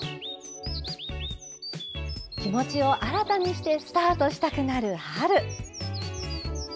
気持ちを新たにしてスタートしたくなる春。